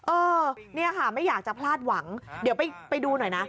เออเนี่ยค่ะไม่อยากจะพลาดหวังเดี๋ยวไปดูหน่อยนะ